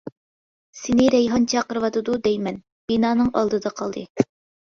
-سىنى رەيھان چاقىرىۋاتىدۇ دەيمەن، بىنانىڭ ئالدىدا قالدى.